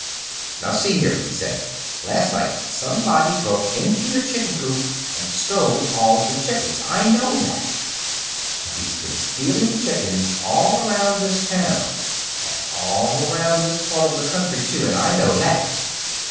"Now, see here," he said, "last night somebody broke into your chicken coop and stole all your chickens. I know that. And he's been stealing chickens all around this town, and all around this part of the country, too, and I know that.